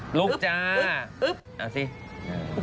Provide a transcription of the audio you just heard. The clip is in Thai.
ปล่อยให้เบลล่าว่าง